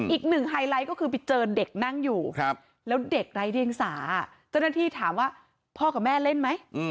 ไฮไลท์ก็คือไปเจอเด็กนั่งอยู่แล้วเด็กไร้เดียงสาเจ้าหน้าที่ถามว่าพ่อกับแม่เล่นไหม